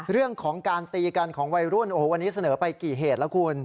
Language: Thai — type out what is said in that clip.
เรื่องของการตีกันของวัยรุ่นโอ้โหวันนี้เสนอไปกี่เหตุแล้วคุณ